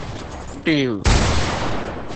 第五